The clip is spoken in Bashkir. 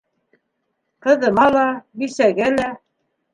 Ҡыҙыма ла, бисәгә лә.